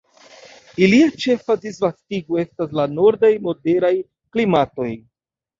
Ilia ĉefa disvastigo estas la nordaj moderaj klimatoj.